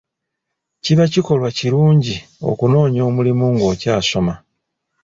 Kiba kikolwa kirungi okunoonya omulimu ng'okyasoma.